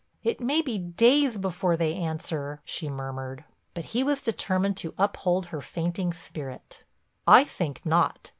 "It may be days before they answer," she murmured. But he was determined to uphold her fainting spirit. "I think not.